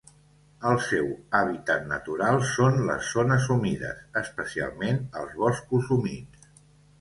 El seu hàbitat natural són les zones humides, especialment els boscos humits.